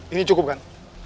ini cukup kan